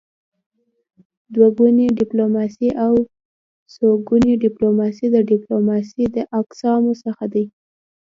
دوه ګوني ډيپلوماسي او څوګوني ډيپلوماسي د ډيپلوماسی د اقسامو څخه دي.